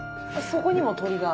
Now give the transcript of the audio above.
そこにも鳥が。